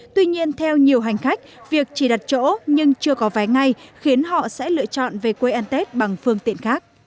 tuy nhiên theo nhiều hành khách việc chỉ đặt chỗ nhưng chưa có vé ngay khiến họ sẽ lựa chọn về quê ăn tết bằng phương tiện khác